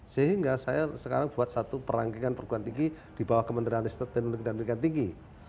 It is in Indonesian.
sehingga saya sekarang buat satu perangkakan perguruan tinggi di bawah kementerian riset teknologi dan pendidikan tinggi